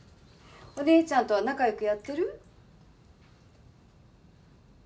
お姉ちゃんとは仲良くやってる？